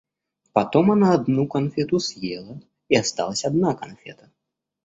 Потом она одну конфету съела и осталась одна конфета.